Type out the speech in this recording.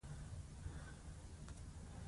زمونږ د ستونزو ذکــــــر به بېخي ورپکښې نۀ وۀ